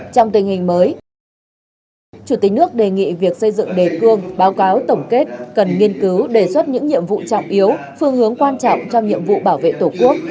trong tình hình mới chủ tịch nước đề nghị việc xây dựng đề cương báo cáo tổng kết cần nghiên cứu đề xuất những nhiệm vụ trọng yếu phương hướng quan trọng trong nhiệm vụ bảo vệ tổ quốc